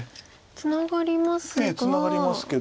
ツナがりますが。